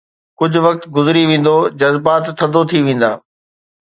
ڪجهه وقت گذري ويندو، جذبات ٿڌو ٿي ويندا.